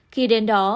khi đến đó